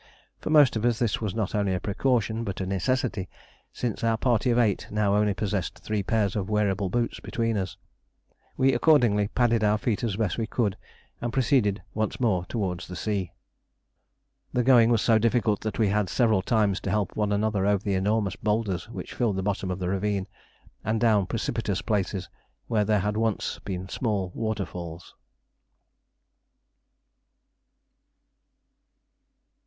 For most of us this was not only a precaution, but a necessity, since our party of eight now only possessed three pairs of wearable boots between us. We accordingly padded our feet as best we could, and proceeded once more towards the sea. The going was so difficult that we had several times to help one another over the enormous boulders which filled the bottom of the ravine, and down precipitous places where there had once been small waterfalls.